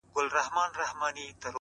وخت د بې ځایه ځنډ مخالف دی.!